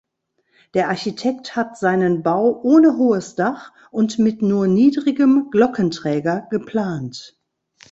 Der Architekt hat seinen Bau ohne hohes Dach und mit nur niedrigem Glockenträger geplant.